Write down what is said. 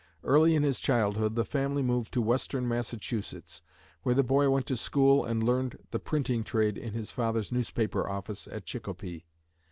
Early in his childhood, the family moved to Western Massachusetts, where the boy went to school and learned the printing trade in his father's newspaper office at Chicopee.